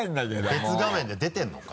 別画面で出てるのか？